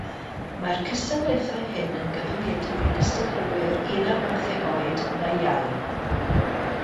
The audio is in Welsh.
Mae'r cystadlaethau hyn yn gyfyngedig i gystadleuwyr un ar bymtheg oed neu iau.